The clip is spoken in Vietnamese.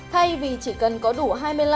thay vì chỉ cần có đủ hai mươi năm